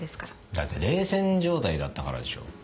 だって冷戦状態だったからでしょ。